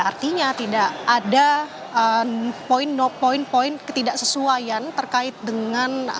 artinya tidak ada poin poin ketidaksesuaian terkait dengan